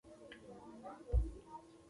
غول د زاړه بدن رازونه لري.